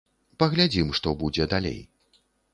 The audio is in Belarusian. Паглядзім, што будзе далей.